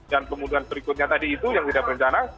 dan kemudian berikutnya tadi itu yang tidak rencana